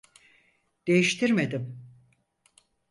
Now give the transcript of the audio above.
Değiştirmedim.